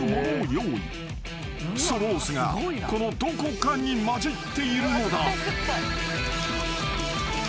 ［そのお酢がこのどこかに交じっているのだ］